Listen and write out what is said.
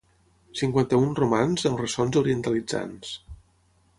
Cinquanta-un romans amb ressons orientalitzants.